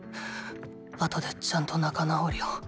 あとでちゃんと仲直りを。